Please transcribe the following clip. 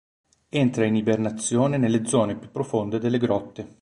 Entra in ibernazione nelle zone più profonde delle grotte.